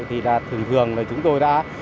thì là thường thường là chúng tôi đã